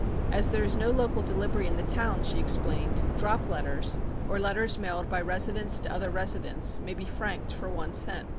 As there is no local delivery in the town, she explained, "drop letters," or letters mailed by residents to other residents, may be franked for one cent.